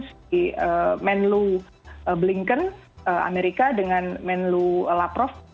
si manlu blinken amerika dengan manlu laprov